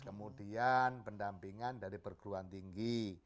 kemudian pendampingan dari perguruan tinggi